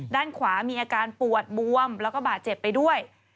ด้านขวามีอาการปวดบวมแล้วก็บาดเจ็บไปด้วย